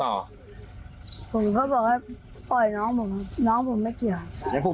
ผมก็บอกว่าปล่อยน้องผมน้องผมไม่เกี่ยว